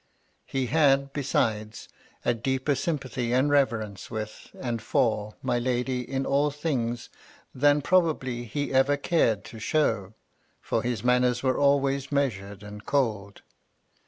He had, besides, a deeper sympathy and reverence with, and for, my lady in all things, than probably he ever cared to show, for his manners were always measured and cold.